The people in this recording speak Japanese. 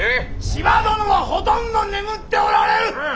千葉殿はほとんど眠っておられる。